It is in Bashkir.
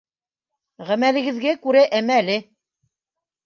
Ғәмәлегеҙгә күрә әмәле.